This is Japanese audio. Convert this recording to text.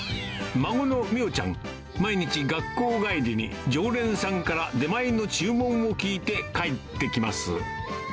孫の美桜ちゃん、毎日、学校帰りに常連さんから出前の注文を聞いて帰ってきます。